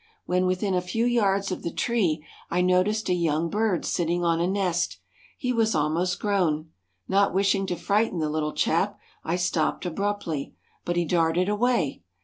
When within a few yards of the tree I noticed a young bird sitting on a nest. He was almost grown. Not wishing to frighten the little chap, I stopped abruptly. But he darted away.